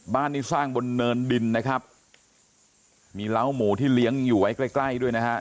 บ้านนี้สร้างบนเนินดินนะครับมีเล้าหมูที่เลี้ยงอยู่ไว้ใกล้ใกล้ด้วยนะฮะ